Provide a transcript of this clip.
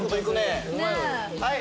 はい。